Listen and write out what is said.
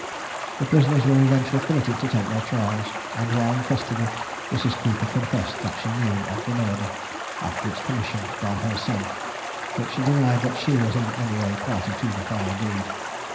The prisoners were eventually committed to take their trials, and while in custody Mrs. Cooper confessed that she knew of the murder, after its commission by her son, but she denied that she was in any way a party to the foul deed.